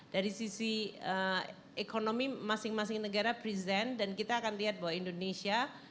dari sisi ekonomi masing masing negara present dan kita akan lihat bahwa indonesia